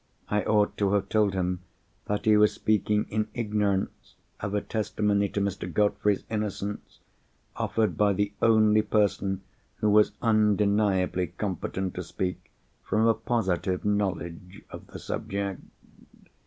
I ought to have told him that he was speaking in ignorance of a testimony to Mr. Godfrey's innocence, offered by the only person who was undeniably competent to speak from a positive knowledge of the subject.